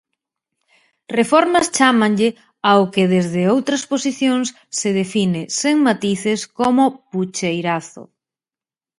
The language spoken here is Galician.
"Reformas", chámanlle ao que desde outras posicións se define, sen matices, como "pucheirazo".